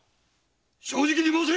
正直に申せ！